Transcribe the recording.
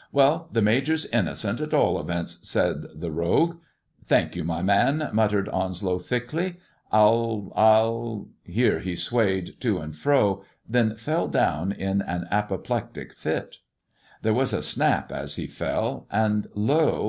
'' Well, the Major'a innocent^ at all events," said the rogue. 360 THE IVORY LEG AND THE DIAMONDS " Thank you, my man/' muttered Onslow thickly. " I'll — ^I'll "— here he swayed to and fro, then fell down in an apoplectic fit. There was a snap as he fell, and lo